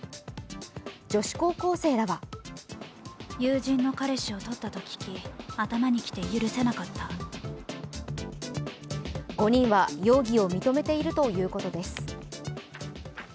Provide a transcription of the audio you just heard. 女子高校生らは５人は容疑を認めているということです。